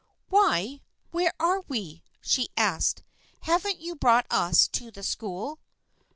" Why, where are we ?" she asked. •" Haven't you brought us to the school